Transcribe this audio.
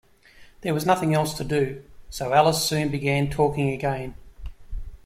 There was nothing else to do, so Alice soon began talking again.